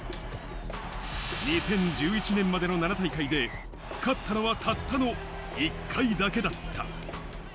２０１１年までの７大会で勝ったのはたったの１回だけだった。